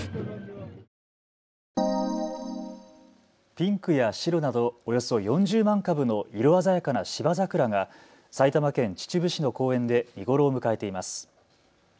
ピンクや白などおよそ４０万株の色鮮やかなシバザクラが埼玉県秩父市の公園で見頃を迎えています。